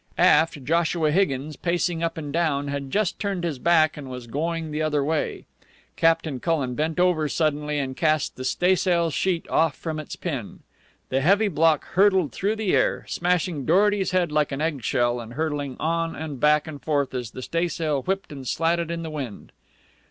Aft, Joshua Higgins, pacing up and down, had just turned his back and was going the other way. Captain Cullen bent over suddenly and cast the staysail sheet off from its pin. The heavy block hurtled through the air, smashing Dorety's head like an egg shell and hurtling on and back and forth as the staysail whipped and slatted in the wind.